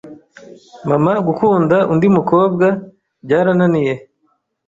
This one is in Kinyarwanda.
Mama, gukunda undi mukobwa byarananiye